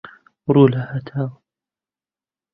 ڕوو لە هەتاو